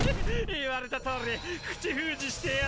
言われたとおり口封じしてやったぜ。